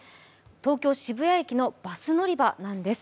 東京・渋谷駅のバス乗り場なんです。